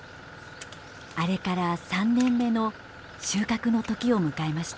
あれから３年目の収穫の時を迎えました。